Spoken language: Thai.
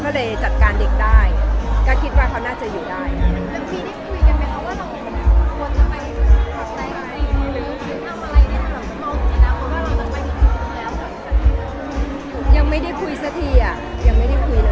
กลับไปบ้านทั้งนี้ลองคุยแต่ไม่ให้ออกมาเลยนะ